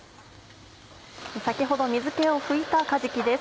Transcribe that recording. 先ほど水気を拭いたかじきです。